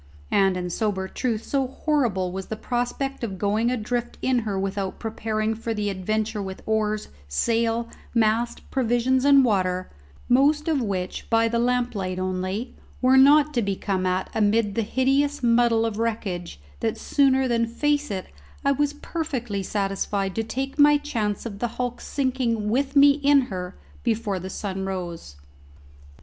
And, in sober truth, so horrible was the prospect of going adrift in her without preparing for the adventure with oars, sail, mast, provisions, and water most of which, by the lamplight only, were not to be come at amid the hideous muddle of wreckage that sooner than face it I was perfectly satisfied to take my chance of the hulk sinking with me in her before the sun rose.